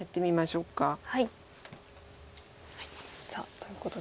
ということで。